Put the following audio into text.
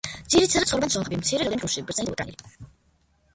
ძირითადად ცხოვრობენ სომხები, მცირე რაოდენობით რუსი, ბერძენი და უკრაინელი.